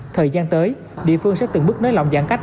thời gian tới địa phương sẽ từng bước nới lỏng giãn cách